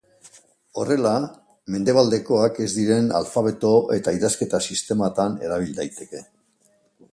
Horrela, mendebaldekoak ez diren alfabeto eta idazketa-sistematan erabil daiteke.